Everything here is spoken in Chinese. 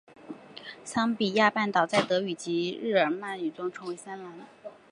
桑比亚半岛在德语及日耳曼语族中称为桑兰。